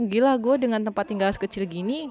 gila gue dengan tempat tinggal sekecil gini